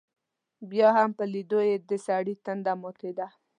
بیا هم په لیدلو یې دسړي تنده ماتېده.